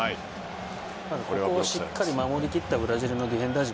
ここをしっかり守りきったブラジルのディフェンダー陣